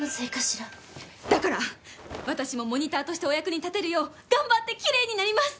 だから私もモニターとしてお役に立てるよう頑張ってきれいになります！